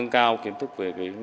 mắt xích cực kỳ quan trọng